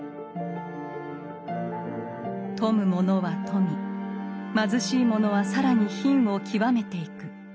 富む者は富み貧しい者は更に貧を極めていく。